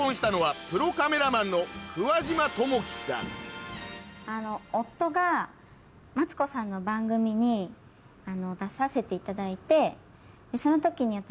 ５年後夫がマツコさんの番組に出させていただいてその時に私。